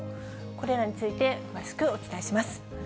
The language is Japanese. これらについて、詳しくお伝えします。